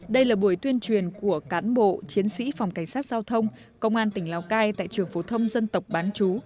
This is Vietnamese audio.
đây là buổi tuyên truyền của cán bộ chiến sĩ phòng cảnh sát giao thông công an tỉnh lào cai tại trường phổ thông dân tộc bán chú